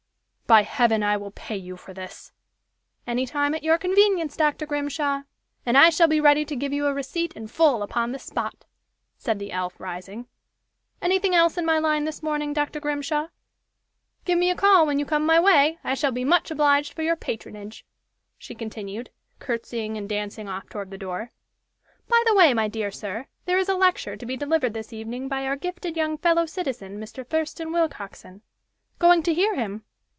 "By heaven, I will pay you for this." "Any time at your convenience, Dr. Grimshaw! And I shall be ready to give you a receipt in full upon the spot!" said the elf, rising. "Anything else in my line this morning, Dr. Grimshaw? Give me a call when you come my way! I shall be much obliged for your patronage," she continued, curtseying and dancing off toward the door. "By the way, my dear sir, there is a lecture to be delivered this evening by our gifted young fellow citizen, Mr. Thurston Willcoxen. Going to hear him?